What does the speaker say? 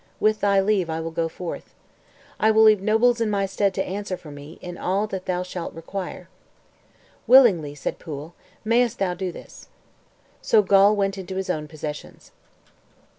With thy leave, I will go forth. I will leave nobles in my stead to answer for me in all that thou shalt require." "Willingly," said Pwyll, "mayest thou do this." So Gawl went to his own possessions.